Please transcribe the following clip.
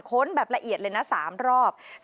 ค้นแบบละเอียดเลยนะ๓รอบ